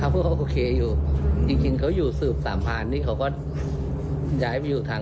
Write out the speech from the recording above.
ไม่มีนักเลี้ยง